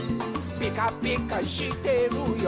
「ピカピカしてるよ」